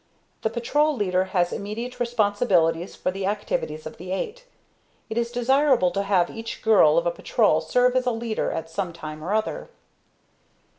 The Patrol Leader has immediate responsibilities for the activities of the eight. It is desirable to have each girl of a Patrol serve as a leader at some time or other.